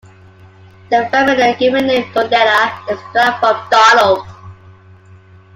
The feminine given name "Donella" is derived from "Donald".